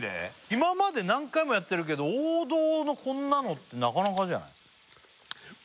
今まで何回もやってるけど王道のこんなのってなかなかじゃない？